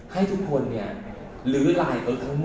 ให้ทุกคนเนี่ยลื้อไลน์เอิ๊กซ์ทั้งหมด